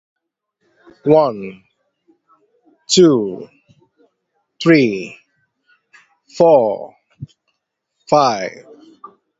A phonological word must be at least two moras long.